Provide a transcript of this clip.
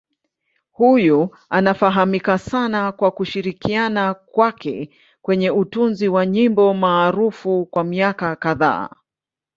Huyu anafahamika sana kwa kushirikiana kwake kwenye utunzi wa nyimbo maarufu kwa miaka kadhaa.